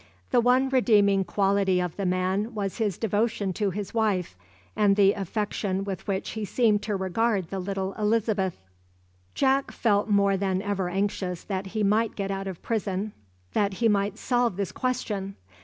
The one redeeming quality of the man was his devotion to his wife and the affection with which he seemed to regard the little Elizabeth. Jack felt more than ever anxious that he might get out of prison that he might solve this question.